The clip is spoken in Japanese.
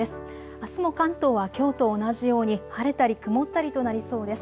あすも関東はきょうと同じように晴れたり曇ったりとなりそうです。